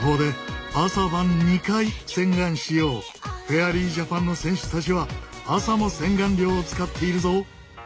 フェアリージャパンの選手たちは朝も洗顔料を使っているぞ。